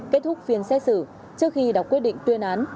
kết thúc phiên xét xử trước khi đọc quyết định tuyên án